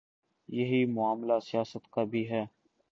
یہی معاملہ سیاست کا بھی ہے۔